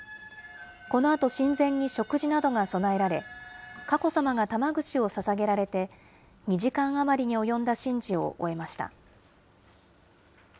このあと神前に食事などが供えられ、佳子さまが玉串をささげられて、２時間余りに及んだ神事を終えました。